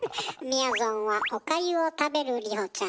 みやぞんはおかゆを食べる里穂ちゃんが好き。